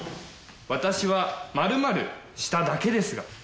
「私は○○しただけですが」